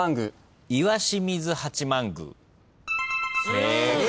正解。